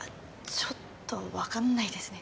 ちょっと分かんないですね